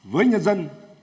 với nhân dân